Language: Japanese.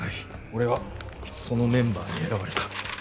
俺はそのメンバーに選ばれた。